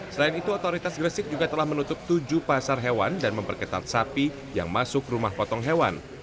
selain itu otoritas gresik juga telah menutup tujuh pasar hewan dan memperketat sapi yang masuk rumah potong hewan